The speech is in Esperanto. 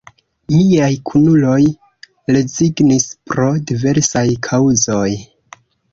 Miaj kunuloj rezignis pro diversaj kaŭzoj.